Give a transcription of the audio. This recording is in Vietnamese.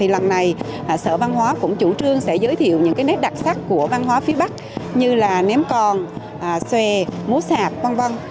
lần này sở văn hóa cũng chủ trương sẽ giới thiệu những nét đặc sắc của văn hóa phía bắc như là ném còn xòe múa sạp v v